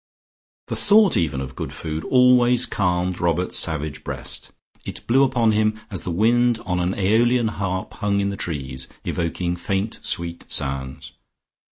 The thought even of good food always calmed Robert's savage breast; it blew upon him as the wind on an AEolian harp hung in the trees, evoking faint sweet sounds.